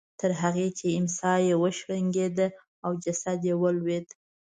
تر هغې چې امسا یې وشړېده او جسد یې ولوېد.